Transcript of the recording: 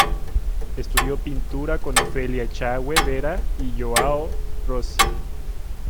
Estudió pintura con Ofelia Echagüe Vera y João Rossi.